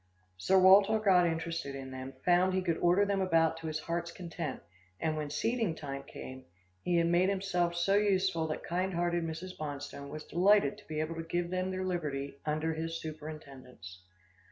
Sir Walter got interested in them, found he could order them about to his heart's content, and when seeding time came, he had made himself so useful that kind hearted Mrs. Bonstone was delighted to be able to give them their liberty, under his superintendence.